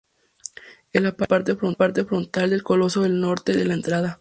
Él aparece en la parte frontal del coloso del norte de la entrada.